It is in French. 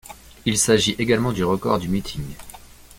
Il s'agit également du record du meeting.